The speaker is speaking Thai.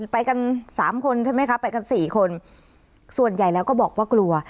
ไปกันสามคนใช่ไหมคะไปกันสี่คนส่วนใหญ่แล้วก็บอกว่ากลัว